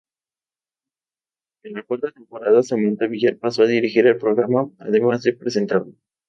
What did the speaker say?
En la cuarta temporada, Samanta Villar pasó a dirigir el programa, además de presentarlo.